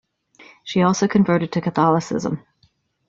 She also converted to Catholicism.